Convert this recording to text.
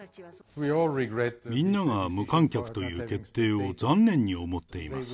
みんなが無観客という決定を残念に思っています。